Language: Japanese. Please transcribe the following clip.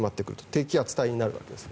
低気圧帯になるわけです。